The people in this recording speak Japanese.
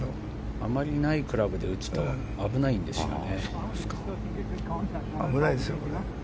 あまりないクラブで打つと危ないんですよね。